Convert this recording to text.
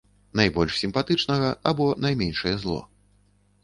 Найбольш сімпатычнага або найменшае зло.